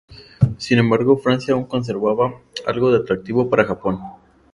Sin embargo, Francia aún conservaba algo de atractivo para Japón.